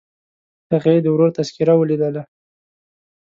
هغې د ورور تذکره ولیدله.